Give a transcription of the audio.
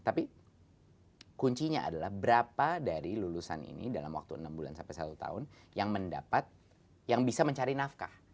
tapi kuncinya adalah berapa dari lulusan ini dalam waktu enam bulan sampai satu tahun yang mendapat yang bisa mencari nafkah